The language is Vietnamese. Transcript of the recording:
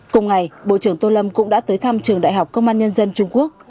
cùng ngày bộ trưởng tô lâm cũng đã tới thăm trường đại học công an nhân dân trung quốc